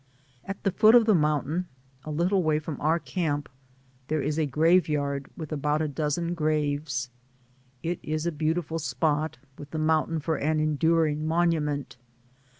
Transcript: At the foot of the mountain, a little way from our camp, there is a graveyard with about a dozen graves. It is a beautiful spot, with the mountain for an enduring monu ment.